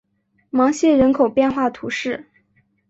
芒谢人口变化图示